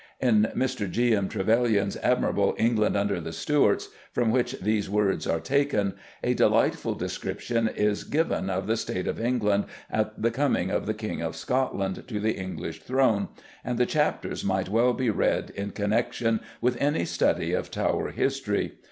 In Mr. G. M. Trevelyan's admirable England under the Stuarts, from which these words are taken, a delightful description is given of the state of England at the coming of the King of Scotland to the English throne, and the chapters might well be read in connection with any study of Tower history.